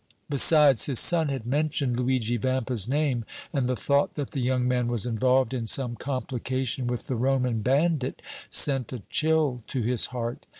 Besides, his son had mentioned Luigi Vampa's name, and the thought that the young man was involved in some complication with the Roman bandit sent a chill to his heart.